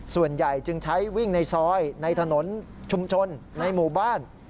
ส่วนใหญ่จึงใช้วิ่งในซอยในถนนชุมชนในหมู่บ้าน